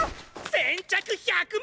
先着１００名！